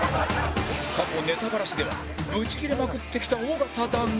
過去ネタバラシではブチギレまくってきた尾形だが